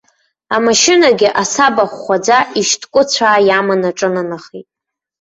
Амашьынагьы асаба хәхәаӡа ишьҭкәыцәаа иаман аҿынанахеит.